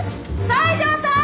西條さん！